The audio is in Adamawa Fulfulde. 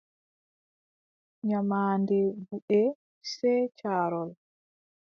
Nyamaande buʼe, sey caarol.